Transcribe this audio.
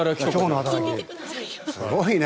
すごいね。